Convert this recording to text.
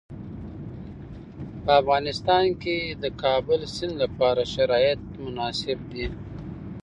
په افغانستان کې د کابل سیند لپاره شرایط مناسب دي.